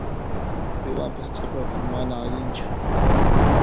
Piwanpas ch'aqwayqa manan allinchu.